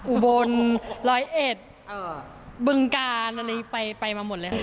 อุโบนรอยเอ็ดบึงกานไปมาหมดเลยค่ะ